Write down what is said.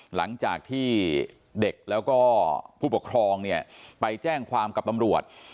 หลังจากที่เด็กแล้วก็ผู้ปกครองเนี่ยไปแจ้งความกับตำรวจ